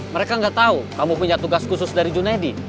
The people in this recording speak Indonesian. mereka gak tahu kamu punya tugas khusus dari junedi